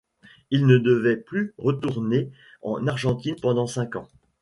Il ne devait plus retourner en Argentine pendant cinq ans.